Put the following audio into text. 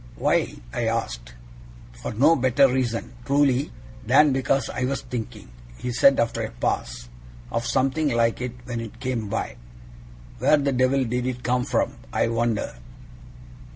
'Why?' I asked. 'For no better reason, truly, than because I was thinking,' he said, after a pause, 'of something like it, when it came by. Where the Devil did it come from, I wonder!